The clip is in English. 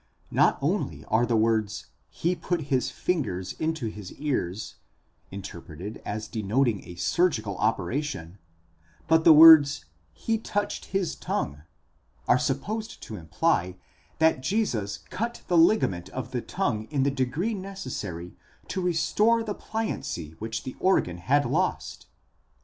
Not only are the words, he put his fingers into his ears, ἔβαλε τοὺς δακτύλους εἰς τὰ Gra, inter preted as denoting a surgical operation, but the words, he touched his tongue, ἥψατο τῆς γλώσσης, are supposed to imply that Jesus cut the ligament of the tongue in the degree necessary to restore the pliancy which the organ had lost.